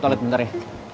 jangan lo biarin terus